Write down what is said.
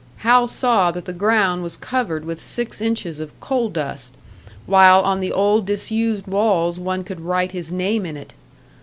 Hal saw that the ground was covered with six inches of coal dust, while on the old disused walls one could write his name in it.